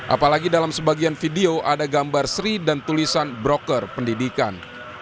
apalagi dalam sebagian video ada gambar sri dan tulisan broker pendidikan